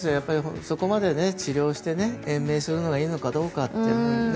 そこまで治療して延命するのがいいのかってね。